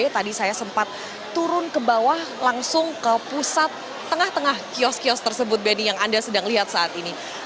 tadi saya sempat turun ke bawah langsung ke pusat tengah tengah kios kios tersebut benny yang anda sedang lihat saat ini